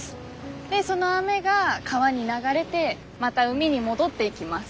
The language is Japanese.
でその雨が川に流れてまた海に戻っていきます。